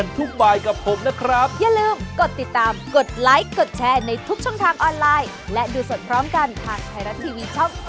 อย่าลืมติดตามชมนะครับ